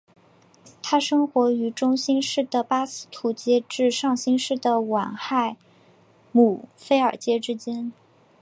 它生活于中新世的巴斯图阶至上新世的晚亥姆菲尔阶之间。